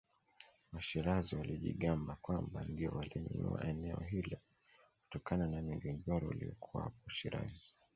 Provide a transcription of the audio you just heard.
Washirazi walijigamba kwamba ndio walinunua eneo hilo kutokana na migogoro iliyokuwapo Ushirazi